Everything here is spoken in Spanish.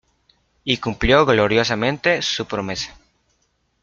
Y cumplió gloriosamente su promesa.